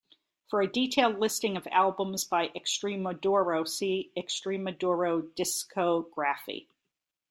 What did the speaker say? For a detailed listing of albums by Extremoduro, see Extremoduro discography.